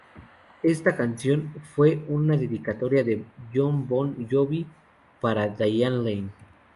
Esta canción fue una dedicatoria de Jon Bon Jovi para Diane Lane.